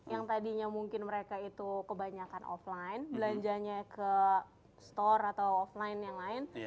yang tadinya mungkin mereka itu kebanyakan offline belanjanya ke store atau offline yang lain